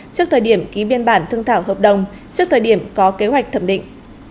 trước thời điểm ký biên bản thương thảo hợp đồng trước thời điểm có kế hoạch thẩm định